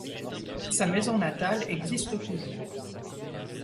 Sa maison natale existe toujours.